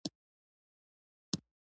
څوک پوهیږي چې نن کومه ورځ ده